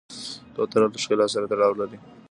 کوتره له ښکلا سره تړاو لري.